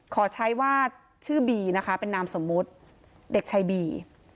ขอใช้ว่าชื่อบีนะคะเป็นนามสมมุติเด็กชายบี